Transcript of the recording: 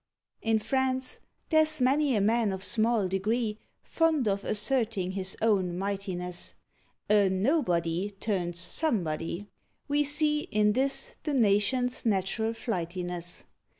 In France there's many a man of small degree Fond of asserting his own mightiness: A "nobody" turns "somebody." We see In this the nation's natural flightiness.